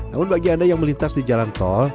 namun bagi anda yang melintas di jalan tol